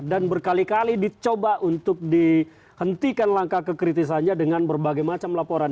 dan berkali kali dicoba untuk dihentikan langkah kekritisannya dengan berbagai macam laporan